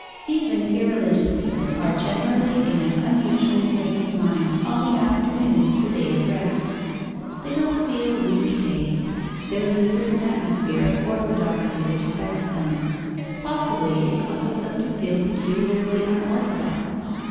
even irreligious people are generally in an unusual frame of mind on the afternoon of the day of rest. They don't feel week day. There is a certain atmosphere of orthodoxy which affects them. Possibly it causes them to feel peculiarly unorthodox.